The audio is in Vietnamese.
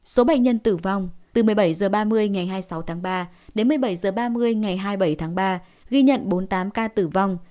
số bệnh nhân tử vong từ một mươi bảy h ba mươi ngày hai mươi sáu tháng ba đến một mươi bảy h ba mươi ngày hai mươi bảy tháng ba ghi nhận bốn mươi tám ca tử vong